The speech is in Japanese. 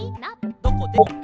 「どこでも」